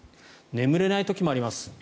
眠れない時もあります。